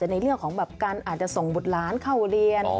ในเรื่องของแบบการอาจจะส่งบุตรหลานเข้าเรียน